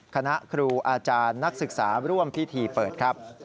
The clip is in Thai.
คณะครูอาจารย์นักศึกษาร่วมพิธีเปิดครับ